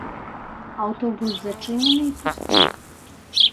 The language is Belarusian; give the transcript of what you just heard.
Аўтобус зачынены і пусты.